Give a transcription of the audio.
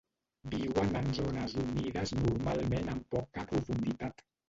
Viuen en zones humides normalment amb poca profunditat.